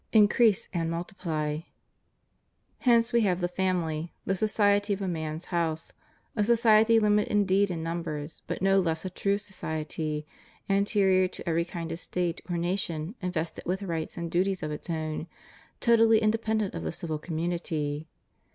Increase and multiply} Hence we have the family; the ''society" of a man's house — a society Umited indeed in numbers, but no less a true "society," anterior to every kind of State or nation, invested with rights and duties of its ot\ti, totally inde pendent of the civil community.